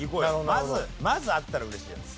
まずまずあったら嬉しいやつ。